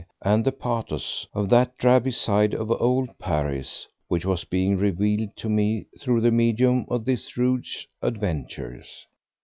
and the pathos—of that drabby side of old Paris which was being revealed to me through the medium of this rogue's adventures.